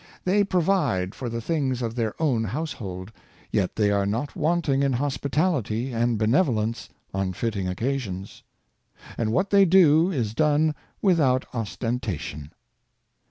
They provide for the things of their own household, yet they are not want ing in hospitality and benevolence on fitting occasions. And what they do is done without ostentation.